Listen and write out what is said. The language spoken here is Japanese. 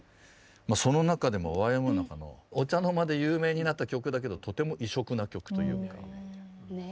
その中でもＹＭＯの中のお茶の間で有名になった曲だけどとても異色な曲というか。